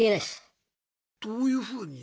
どういうふうに？